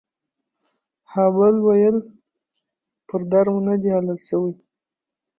ها بل ويل پر در مو ندي حلال سوى.